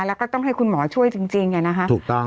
แล้วก็ต้องให้คุณหมอช่วยจริงนะคะถูกต้อง